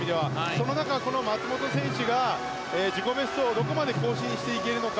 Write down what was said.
その中でこの松元選手が自己ベストをどこまで更新していけるのか。